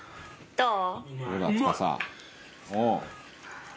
どう？